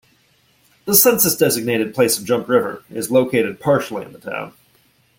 The census-designated place of Jump River is located partially in the town.